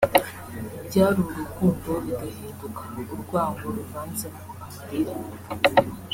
ibyari urukundo bigahinduka urwango ruvanzemo amarira